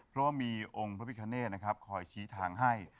เพราะว่ามีองค์พระพิคเนธนะครับคอยชี้ทางให้